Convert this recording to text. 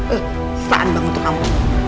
eh saan bang untuk kamu